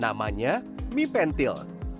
namanya mie pentil